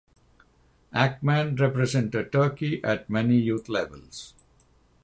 Akman represented Turkey at many youth levels.